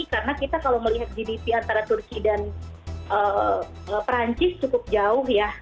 karena kita kalau melihat gdp antara turki dan perancis cukup jauh ya